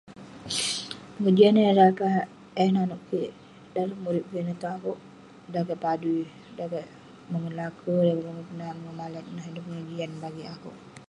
Pengejian neh [unintelligible] eh nanouk kik dalem urip kik ineh tong akouk, dan kek padui dan kek mongen laker, mongen penat, mongen malat, ineh pengejian bagik akouk.